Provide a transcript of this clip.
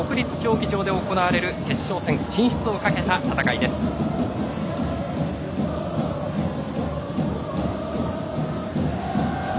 天皇杯準決勝１２月９日国立競技場で行われる決勝戦進出をかけた戦いです。